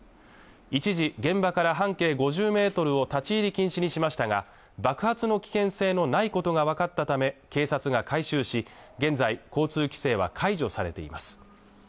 一時、現場から半径５０ｍを立ち入り禁止にしましたが爆発の危険性のないことが分かったため警察が回収し現在、交通規制は解除されています